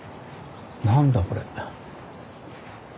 何だこれ。